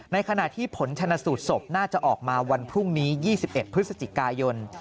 ในขณะที่ผลชนะสูตรศพน่าจะออกมาวันพรุ่งนี้๒๑พฤศจิกายน